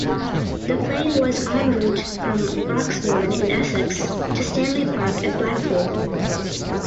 The plane was en route from Broxbourne in Essex to Stanley Park at Blackpool.